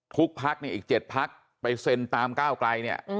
พักเนี่ยอีก๗พักไปเซ็นตามก้าวไกลเนี่ย